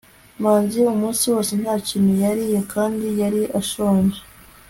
manzi umunsi wose nta kintu yariye kandi yari ashonje cyane